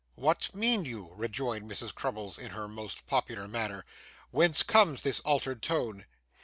'What mean you?' rejoined Mrs. Crummles, in her most popular manner. 'Whence comes this altered tone?